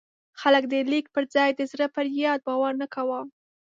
خلک د لیک پر ځای د زړه پر یاد باور نه کاوه.